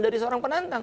dari seorang penantang